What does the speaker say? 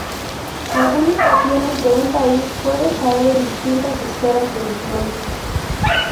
Algunas regiones de un país pueden caer en distintas esferas de influencia.